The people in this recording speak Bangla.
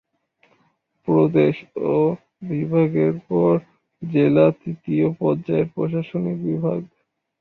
প্রদেশ ও বিভাগের পর জেলা তৃতীয় পর্যায়ের প্রশাসনিক বিভাগ।